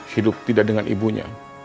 hidup tidak dengan ibunya